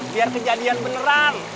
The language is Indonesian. biar kejadian beneran